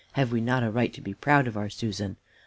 Have we not a right to be proud of our Susan?